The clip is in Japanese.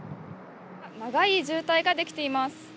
長い渋滞が出来ています。